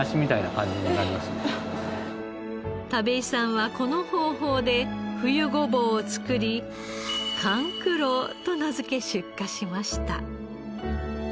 田部井さんはこの方法で冬ごぼうを作り甘久郎と名付け出荷しました。